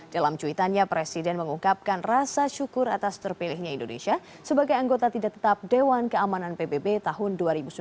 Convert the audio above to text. dalam cuitannya presiden mengungkapkan rasa syukur atas terpilihnya indonesia sebagai anggota tidak tetap dewan keamanan pbb tahun dua ribu sembilan belas